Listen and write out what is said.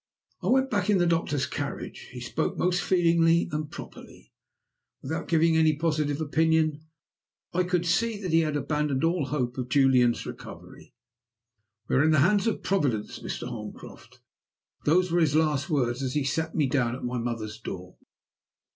I went back in the doctor's carriage. He spoke most feelingly and properly. Without giving any positive opinion, I could see that he had abandoned all hope of Julian's recovery. 'We are in the hands of Providence, Mr. Holmcroft;' those were his last words as he set me down at my mother's door.